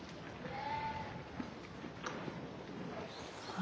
あ